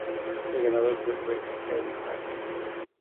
El ganador fue el belga Eddy Merckx.